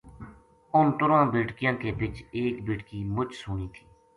ان تُرواں بیٹکیاں کے بِچ ایک بیٹکی مچ سوہنی تھی